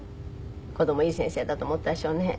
子供いい先生だと思ったでしょうね。